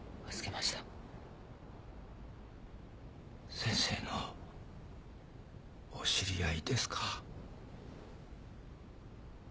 先生のお知り合いですか？